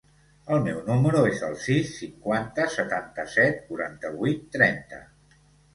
El meu número es el sis, cinquanta, setanta-set, quaranta-vuit, trenta.